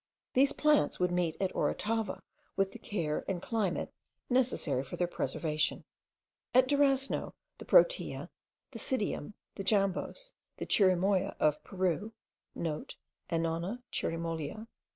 These plants would meet at Orotava with the care and climate necessary for their preservation. At Durasno, the protea, the psidium, the jambos, the chirimoya of Peru,* (* Annona cherimolia.